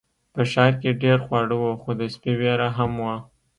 په ښار کې ډیر خواړه وو خو د سپي ویره هم وه.